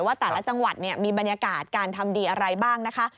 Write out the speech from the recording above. ว่าแต่ละจังหวัดมีบรรยากาศการทำดีอะไรบ้างนะคะ